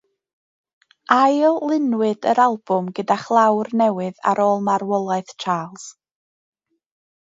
Ail-luniwyd yr albwm gyda chlawr newydd ar ôl marwolaeth Charles.